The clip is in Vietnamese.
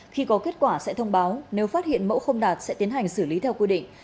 khi có kết quả sẽ thông báo nếu phát hiện mẫu không đạt sẽ tiến hành xử lý theo quy định